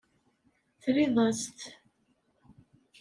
Terriḍ-as-t.